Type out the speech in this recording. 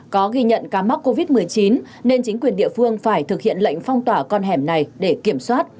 có ghi nhận ca mắc covid một mươi chín nên chính quyền địa phương phải thực hiện lệnh phong tỏa con hẻm này để kiểm soát